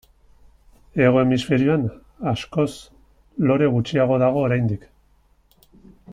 Hego Hemisferioan askoz lore gutxiago dago oraindik.